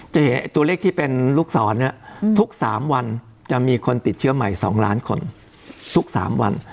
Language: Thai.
ตัวเลขที่เป็นลูกศรเนี่ยทุก๓วันจะมีคนติดเชื้อใหม่๒ล้านคนทุก๓วัน